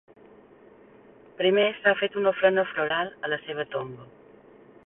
Primer s’ha fet una ofrena floral a la seva tomba.